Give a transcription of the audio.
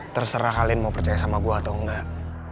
terserah kalian mau percaya sama gue atau enggak